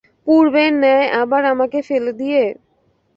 পূর্বের ন্যায় আবার আমাকে ফেলে দিয়ে?